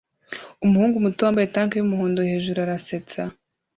Umuhungu muto wambaye tank yumuhondo hejuru arasetsa